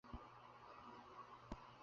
তিনি সেদিনের কথা সম্পর্কে বলেন: